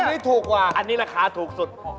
อันนี้ถูกกว่าอันนี้ราคาถูกสุด